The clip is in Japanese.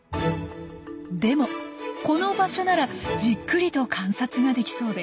でもこの場所ならじっくりと観察ができそうです。